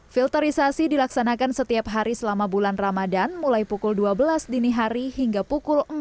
filterisasi dilaksanakan setiap hari selama bulan ramadan mulai pukul dua belas dini hari hingga pukul empat